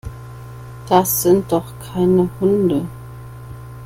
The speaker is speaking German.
Das sind doch keine Hunde.